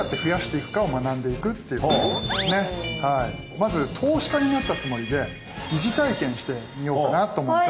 まず投資家になったつもりで疑似体験してみようかなと思うんですよね。